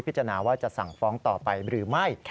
จาว่าจะสั่งฟ้องต่อไปหรือไม่